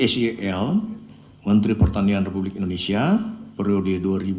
satu sel menteri pertanian republik indonesia periode dua ribu sembilan belas dua ribu dua puluh empat